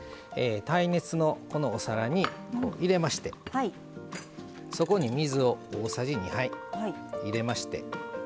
耐熱のお皿に入れましてそこに水を大さじ２杯入れまして。